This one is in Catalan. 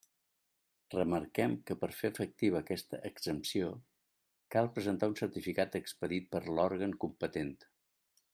Remarquem que per fer efectiva aquesta exempció cal presentar un certificat expedit per l'òrgan competent.